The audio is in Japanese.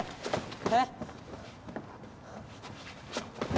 えっ？